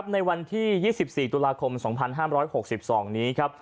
ในวันที่๒๔ตุลาคม๒๕๖๒นี้ครับ